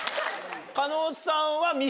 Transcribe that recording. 狩野さんは。